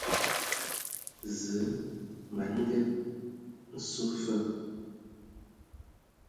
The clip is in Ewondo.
Zǝə ma n Nged nso fa.